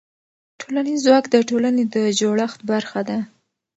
ټولنیز ځواک د ټولنې د جوړښت برخه ده.